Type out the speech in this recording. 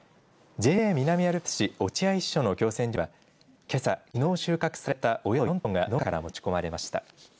ＪＡ南アルプス市落合支所の共選所にはけさ、きのう収穫されたおよそ４トンが農家から持ち込まれました。